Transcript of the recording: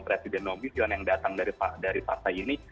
presiden nobition yang datang dari partai ini